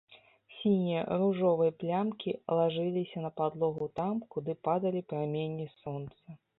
Сінія, ружовыя плямкі лажыліся на падлогу там, куды падалі праменні сонца.